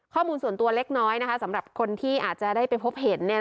ข้อมูลส่วนตัวเล็กน้อยสำหรับคนที่อาจจะได้ไปพบเห็น